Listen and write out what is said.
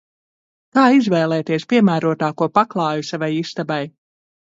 Kā izvēlēties piemērotāko paklāju savai istabai?